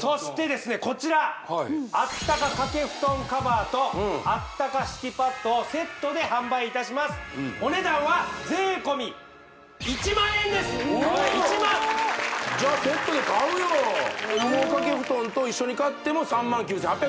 そしてですねこちらあったか掛布団カバーとあったか敷きパッドをセットで販売いたしますお値段は税込おお１０，０００羽毛掛布団と一緒に買っても３９，８００円